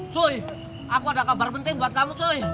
cuy aku ada kabar penting buat kamu cui